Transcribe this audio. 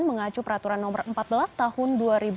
mengacu peraturan nomor empat belas tahun dua ribu dua puluh